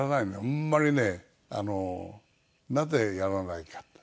あんまりねなぜやらないか。